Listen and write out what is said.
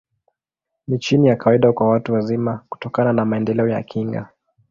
Ni chini ya kawaida kwa watu wazima, kutokana na maendeleo ya kinga.